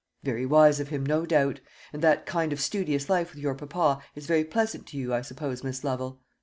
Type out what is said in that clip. "Very wise of him, no doubt. And that kind of studious life with your papa is very pleasant to you, I suppose, Miss Lovel?"